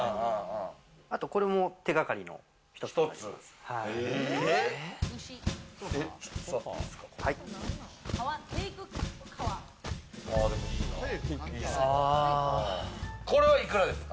あとこれも手掛かりの一つです。